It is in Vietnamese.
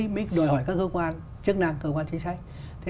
mek đòi hỏi các cơ quan chức năng cơ quan chính sách